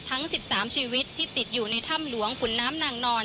ทั้ง๑๓ชีวิตที่ติดอยู่ในถ้ำหลวงขุนน้ำนางนอน